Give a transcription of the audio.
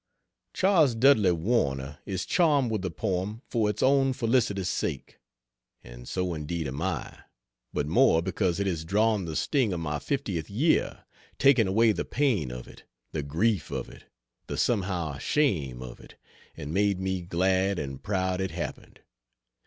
Charles Dudley Warner is charmed with the poem for its own felicitous sake; and so indeed am I, but more because it has drawn the sting of my fiftieth year; taken away the pain of it, the grief of it, the somehow shame of it, and made me glad and proud it happened.